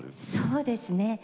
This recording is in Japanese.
そうですね。